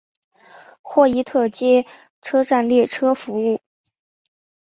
霍伊特街车站列车服务。